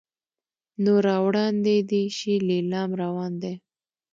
نو را وړاندې دې شي لیلام روان دی.